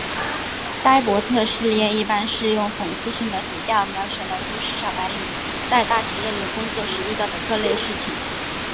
呆伯特系列一般是用讽刺性的笔调描写了都市小白领在大企业里工作时遇到的各类事情。